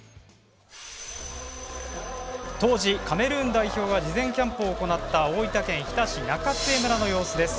当時、カメルーン代表が事前キャンプを行った大分県日田市中津江村の様子です。